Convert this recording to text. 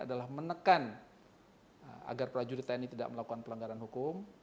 adalah menekan agar prajurit tni tidak melakukan pelanggaran hukum